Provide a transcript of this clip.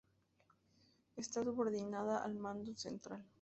Está subordinada al Mando Central.